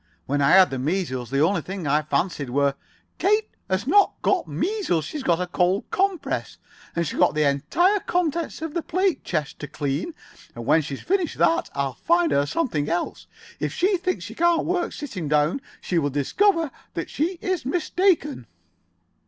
When I had the measles the only things I fancied were——" "Kate has not got measles. She's got a cold compress, and she's got the entire contents of the plate chest to clean. And when she's finished that, I'll find her something else. If she thinks she can't work sitting down, she will discover that she is mistaken."